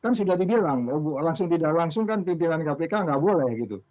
kan sudah dibilang langsung tidak langsung kan pimpinan kpk nggak boleh gitu